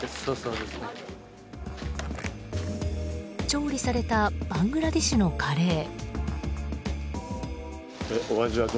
調理されたバングラデシュのカレー。